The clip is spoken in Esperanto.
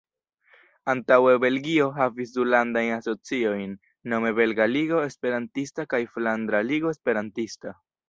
Antaŭe Belgio havis du Landajn Asociojn, nome Belga Ligo Esperantista kaj Flandra Ligo Esperantista.